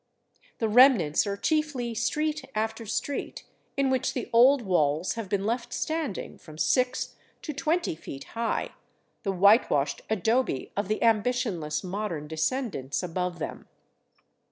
The remnants are chiefly street after street in which the old walls have been left standing from six to twenty feet high, the whitewashed adobe of the ambitionless modern descendants above them.